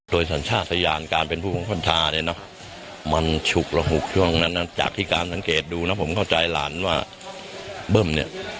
โดยสัญชาติยานการเป็นผู้ของพันธาเนี่ยเนาะมันฉุกระหุกช่วงนั้นนะจากที่การสังเกตดูนะผมเข้าใจหลานว่าเบิ้มเนี่ย